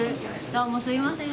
どうもすみません